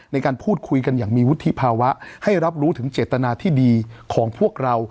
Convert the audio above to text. ในการพูดคุยกันอย่างมีวุฒิภาวะให้รับรู้ถึงเจตนาที่ดีของพวกเรา